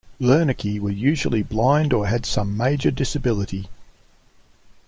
Lirnyky were usually blind or had some major disability.